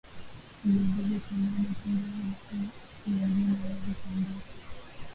ajiuzulu kwa maana kwamba mtu mwengine aweze kuendesha